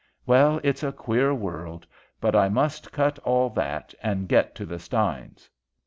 Well, it's a queer world! But I must cut all that and get to the Steins.